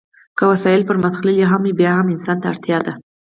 که وسایل پرمختللي هم وي بیا هم انسان ته اړتیا ده.